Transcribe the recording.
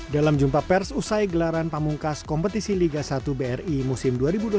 dalam jumpa pers usai gelaran pamungkas kompetisi liga satu bri musim dua ribu dua puluh satu dua ribu dua puluh dua